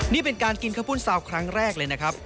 นี่เป็นการกินข้าวปุ้นซาวครั้งแรกเลยนะครับ